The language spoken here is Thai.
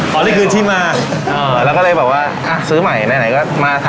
ก็เลยก็จำไว้ว่าซื้อใหม่